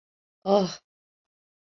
Aah…